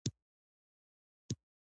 د هرات په کرخ کې د سمنټو مواد شته.